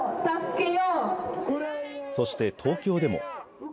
そして東京でも。